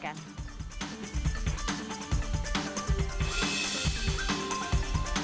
sian dan indonesia prime news